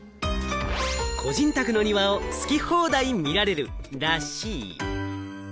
個人宅の庭を好き放題、見られるらしい。